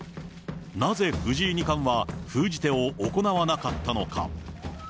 なぜ藤井二冠は、封じ手を行わなかったのか。